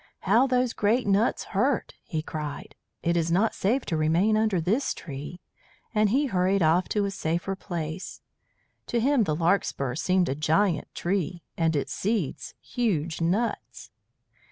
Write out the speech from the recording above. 'How those great nuts hurt,' he cried. 'It is not safe to remain under this tree,' and he hurried off to a safer place. To him the larkspur seemed a giant tree, and its seeds huge nuts.